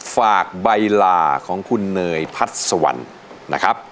ฝากใบลาของคุณเนยพัดสวรรค์นะครับ